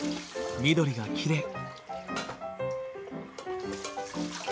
緑がきれい。